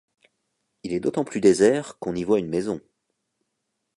Il est d’autant plus désert qu’on y voit une maison.